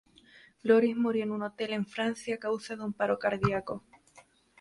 Goris murió en un hotel en Francia a causa de un paro cardíaco.